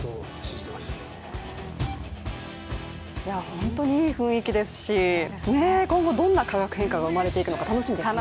本当にいい雰囲気ですし、今後どんな化学変化が生まれてくるのか楽しみですね。